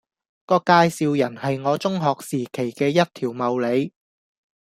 個介紹人係我中學時期嘅一條茂利